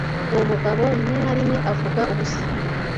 Uwo mugabo rimwe na rimwe avuga ubusa.